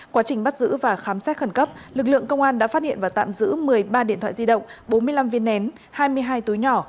quá trình bắt giữ và khám xét khẩn cấp lực lượng công an đã phát hiện và tạm giữ một mươi ba điện thoại di động bốn mươi năm viên nén hai mươi hai túi nhỏ